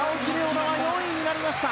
樹は４位になりました。